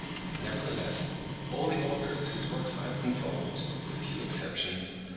Nevertheless, all the authors whose works I have consulted, with a few exceptions (42.